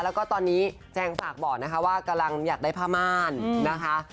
แล้วก็ตอนนี้แจงฝากบอกนะคะว่ากำลังอยากได้ผ้าม่านนะคะ